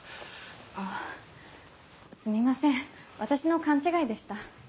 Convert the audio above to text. あぁすみません私の勘違いでした。